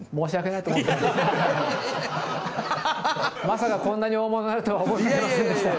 まさかこんなに大物になるとは思ってませんでした。